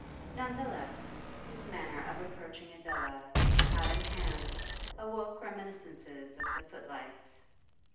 None the less, his manner of approaching Adela, hat in hand, awoke reminiscences of the footlights.